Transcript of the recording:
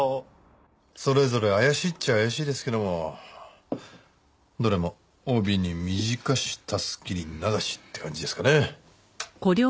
それぞれ怪しいっちゃ怪しいですけどもどれも「帯に短し襷に長し」って感じですかね。